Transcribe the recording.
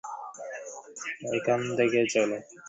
এখান থেকে চলো।